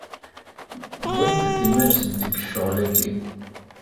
Wwint-d iman-nsent deg ccɣel-agi.